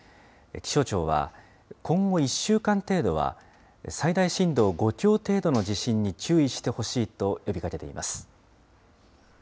気象庁は、今後１週間程度は、最大震度５強程度の地震に注意してほしいと呼びかけています。